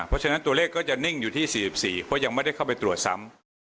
เพราะฉะนั้นตัวเลขก็จะนิ่งอยู่ที่๔๔เพราะยังไม่ได้เข้าไปตรวจซ้ำ